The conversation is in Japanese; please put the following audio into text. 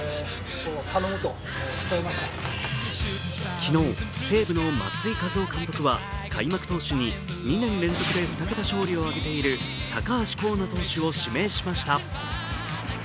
昨日、西武の松井稼頭央監督は開幕投手に２年連続で２桁勝利を挙げている高橋光成投手を指名しました。